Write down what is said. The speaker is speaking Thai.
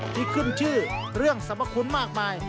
ที่ขึ้นชื่อเรื่องสรรพคุณมากมาย